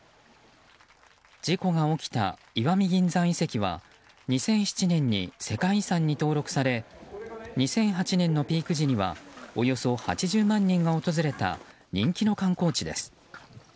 事故が起きた石見銀山遺跡は２００７年に世界遺産に登録され２００８年のピーク時にはおよそ８０万人が訪れた人気の観光地です。